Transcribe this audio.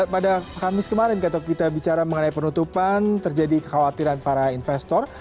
pada kamis kemarin kalau kita bicara mengenai penutupan terjadi kekhawatiran para investor